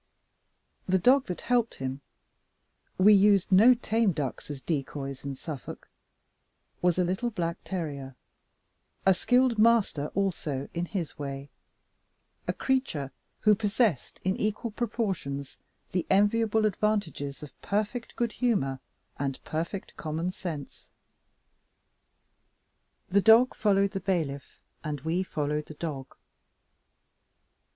The dog that helped him (we used no tame ducks as decoys in Suffolk) was a little black terrier; a skilled master also, in his way; a creature who possessed, in equal proportions, the enviable advantages of perfect good humor and perfect common sense. The dog followed the bailiff, and we followed the dog.